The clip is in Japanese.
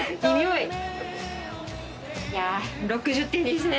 いや、６０点ですね。